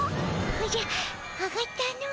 おじゃあがったの。